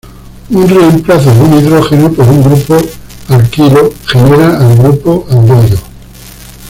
Un reemplazo de un hidrógeno por un grupo alquilo genera al grupo aldehído.